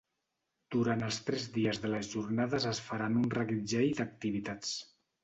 Durant els tres dies de les jornades es faran un reguitzell d’activitats.